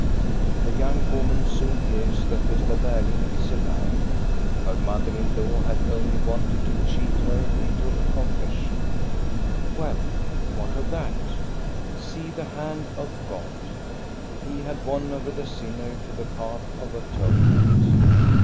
The young woman soon hears that Gosta Berling is alive. Her mother in law had only wanted to cheat her into a confession. Well, what of that? See the hand of God ! He had won over the sinner to the path of atonement.